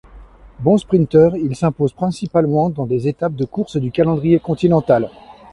Bon sprinteur, il s'impose principalement dans des étapes de courses du calendrier continental.